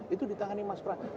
itu ditangani mas prananda